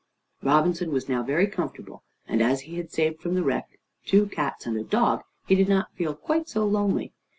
Robinson was now very comfortable, and as he had saved from the wreck two cats and a dog, he did not feel quite so lonely.